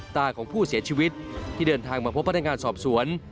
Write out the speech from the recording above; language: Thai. ตาของผู้เสียชีวิตที่เดินทางมาพบพนักงานสอบสวน